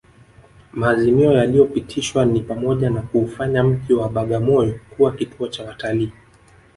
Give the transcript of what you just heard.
Maazimio yaliyopitishwa ni pamoja na kuufanya mji wa Bagamoyo kuwa kituo cha watalii